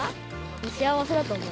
幸せだと思う。